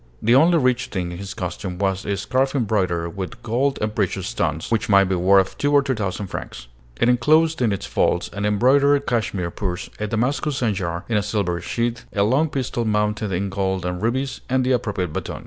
The only rich thing in his costume was a scarf embroidered with gold and precious stones, which might be worth two or three thousand francs. It inclosed in its folds an embroidered cashmere purse, a Damascus sanjar in a silver sheath, a long pistol mounted in gold and rubies, and the appropriate baton.